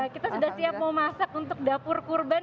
kita sudah siap mau masak untuk dapur kurban dua ribu dua puluh dua